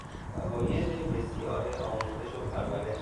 فواید بسیار آموزش و پرورش